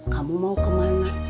kamu mau kemana